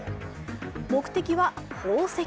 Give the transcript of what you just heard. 目的は宝石。